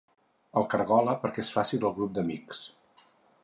El cargola perquè es faci del grup d'amics.